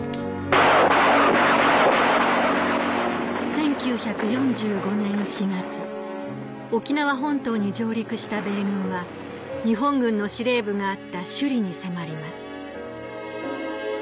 １９４５年４月沖縄本島に上陸した米軍は日本軍の司令部があった首里に迫ります